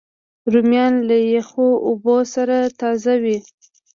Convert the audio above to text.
رومیان له یخو اوبو سره تازه وي